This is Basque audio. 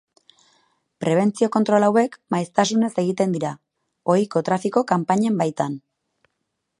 Prebentzio kontrol hauek maiztasunez egiten dira, ohiko trafiko kanpainen baitan.